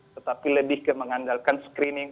tetapi lebih ke mengandalkan screening